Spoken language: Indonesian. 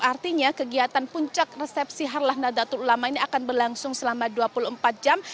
artinya kegiatan puncak resepsi harlah nadatul ulama ini akan berlangsung selama dua puluh empat jam